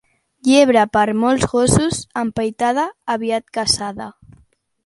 Llebre per molts gossos empaitada, aviat caçada.